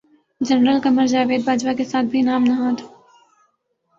general Qamar Javed Bajwa کے ساتھ بھی نام نہاد